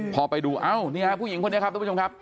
พอไปดูเอ้านี่ฮะผู้หญิงคนนี้ครับทุกผู้ชมครับ